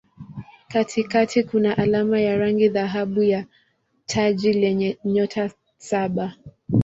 Katikati kuna alama ya rangi dhahabu ya taji lenye nyota saba.